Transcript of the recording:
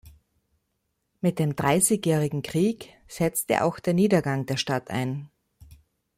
Mit dem Dreißigjährigen Krieg setzte auch der Niedergang der Stadt ein.